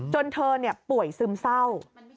จนเธอป่วยซึมเศร้า